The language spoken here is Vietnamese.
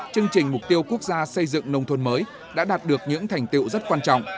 chương trình mục tiêu quốc gia xây dựng nông thôn mới đã đạt được những thành tiệu rất quan trọng